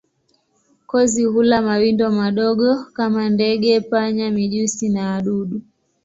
Kozi hula mawindo madogo kama ndege, panya, mijusi na wadudu.